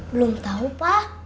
belum tau pak